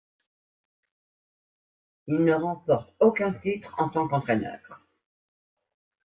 Il ne remporte aucun titre en tant qu'entraîneur.